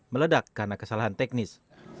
meledak karena kesalahan teknis